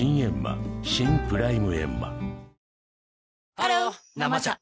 ハロー「生茶」